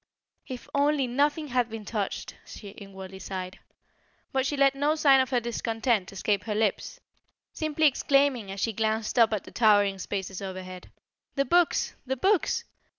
"If only nothing had been touched!" she inwardly sighed. But she let no sign of her discontent escape her lips, simply exclaiming as she glanced up at the towering spaces overhead: "The books! the books!